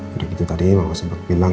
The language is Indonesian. udah gitu tadi bapak sempat bilang